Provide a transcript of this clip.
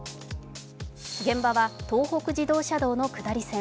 現場は東北自動車道の下り線。